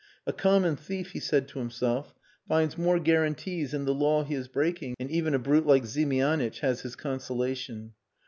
"A common thief," he said to himself, "finds more guarantees in the law he is breaking, and even a brute like Ziemianitch has his consolation."